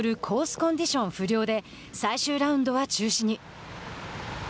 コンディション不良で最終ラウンドは中止に。